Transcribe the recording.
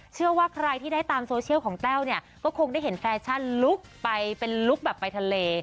เชื่อว่าใครที่ได้ตามโซเชียลของแต้วเนี่ยก็คงได้เห็นแฟชั่นลุกไปเป็นลุคแบบไปทะเล